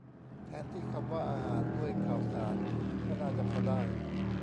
แทนที่คำว่า อาหาร ด้วย ข่าวสาร ก็น่าจะพอได้